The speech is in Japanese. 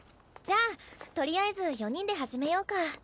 じゃあとりあえず４人で始めようか。